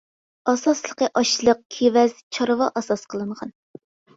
ئاساسلىقى ئاشلىق، كېۋەز، چارۋا ئاساس قىلىنغان.